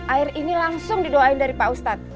air ini langsung didoain dari pak ustadz